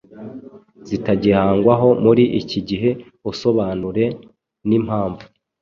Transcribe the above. zitagihangwaho muri iki gihe usobanure n’impamvu..